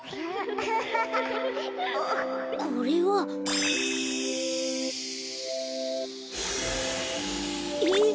これは。えっ？